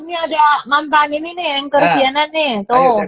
nih ada mantan ini nih yang ke cnn nih